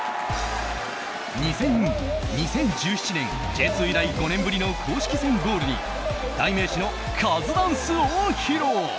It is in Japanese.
２０１７年、Ｊ２以来５年ぶりの公式戦ゴールに代名詞のカズダンスを披露！